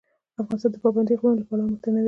افغانستان د پابندی غرونه له پلوه متنوع دی.